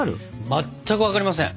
まったく分かりません。